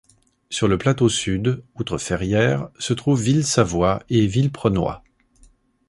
Sur le plateau sud, outre Ferrières se trouvent Villesavoie et Villeprenoy.